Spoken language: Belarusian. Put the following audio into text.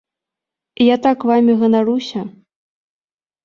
Я так вамі ганаруся.